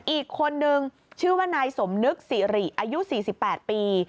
อีกคนนึงชื่อว่านายสมนึกสิริอายุ๔๘ปี